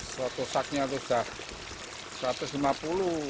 suatu saknya itu sudah rp satu ratus lima puluh